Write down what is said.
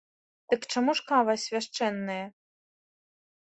Дык чаму ж кава свяшчэнная?